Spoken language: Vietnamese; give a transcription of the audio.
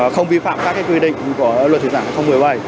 không vi phạm các quy định của luật thủy sản một mươi bảy